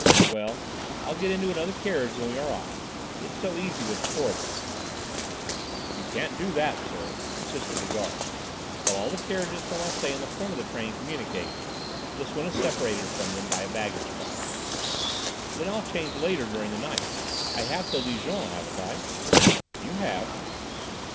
"Well, I'll get into another carriage when we are off; it's so easy with the corridors." "You can't do that, sir," insisted the guard. "While all the carriages for Marseilles in the front of the train communicate, this one is separated from them by a baggage car." "Then I'll change later, during the night. I have till Dijon, haven't I?" "You have."